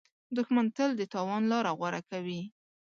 دښمن تل د تاوان لاره غوره کوي